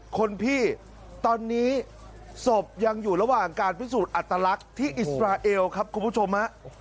คนพี่ตอนนี้ศพยังอยู่ระหว่างการพิสูจน์อัตลักษณ์ที่อิสราเอลครับคุณผู้ชมฮะ